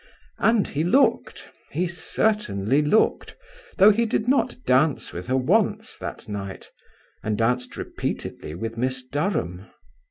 And he looked, he certainly looked, though he did not dance with her once that night, and danced repeatedly with Miss Durham.